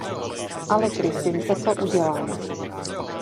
Ale Kristince to udělám.